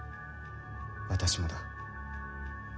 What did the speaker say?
私もだ。